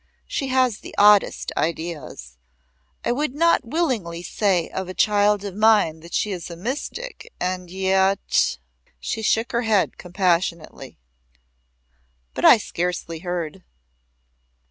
She has the oddest ideas. I would not willingly say of a child of mine that she is a mystic, and yet " She shook her head compassionately. But I scarcely heard.